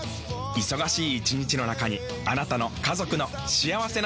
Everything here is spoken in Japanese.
忙しい一日の中にあなたの家族の幸せな時間をつくります。